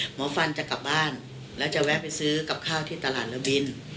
หมอฟันจะกลับบ้านแล้วจะแวะไปซื้อกับข้าวที่ตลาดระบิน